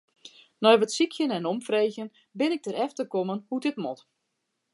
Nei wat sykjen en omfreegjen bin ik derefter kommen hoe't dit moat.